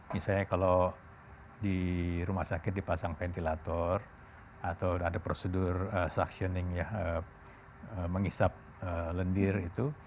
misalnya kalau di rumah sakit dipasang ventilator atau ada prosedur suctioning ya mengisap lendir itu